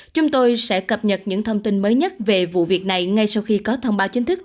chúng tôi sẽ cập nhật những thông tin mới nhất về vụ việc này ngay sau khi có thông báo chính thức